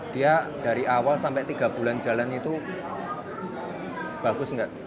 dia dari awal sampai tiga bulan jalan itu bagus enggak